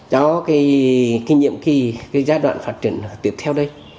cho cái nhiệm kỳ cái giai đoạn phát triển tiếp theo đây